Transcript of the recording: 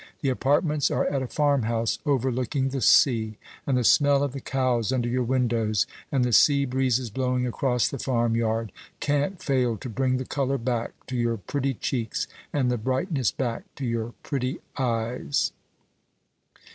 "The apartments are at a farmhouse overlooking the sea; and the smell of the cows under your windows, and the sea breezes blowing across the farmyard, can't fail to bring the colour back to your pretty cheeks, and the brightness back to your pretty eyes."